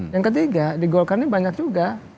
yang ketiga di golkar ini banyak juga